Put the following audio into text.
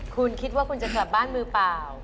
คุณคิดว่าคุณจะกลับบ้านมือเปล่า